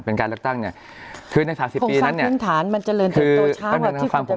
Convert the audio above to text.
เป็นการเลือกตั้งเนี้ยคือในสามสิบปีนั้นเนี้ยคงสร้างพิมพ์ฐานมันเจริญจนโตช้าว่าที่คุณจะเป็น